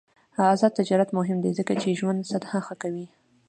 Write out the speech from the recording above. آزاد تجارت مهم دی ځکه چې ژوند سطح ښه کوي.